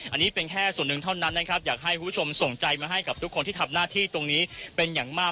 อันนี้เป็นแค่ส่วนหนึ่งเท่านั้นนะครับอยากให้คุณผู้ชมส่งใจมาให้กับทุกคนที่ทำหน้าที่ตรงนี้เป็นอย่างมาก